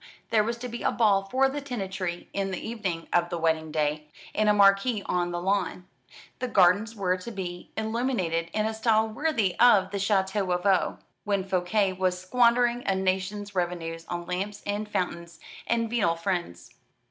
There was to be a ball for the tenantry in the evening of the wedding day, in a marquee on the lawn. The gardens were to be illuminated in a style worthy of the château of Vaux, when Fouquet was squandering a nation's revenues on lamps and fountains and venal friends.